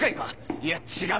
いや違う。